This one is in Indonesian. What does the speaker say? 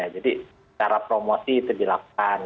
jadi secara promosi itu dilakukan